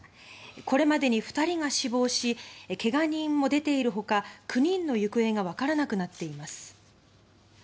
これまでに２人が死亡しけが人も出ている他９人の行方が分からなくなっています。